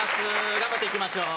頑張っていきましょう。